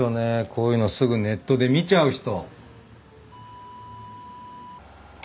こういうのすぐネットで見ちゃう人。